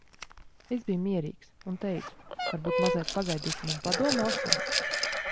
Es biju mierīgs. Un teicu, "Varbūt mazliet pagaidīsim un padomāsim?